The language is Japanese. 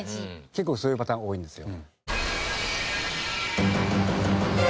結構そういうパターン多いんですよ。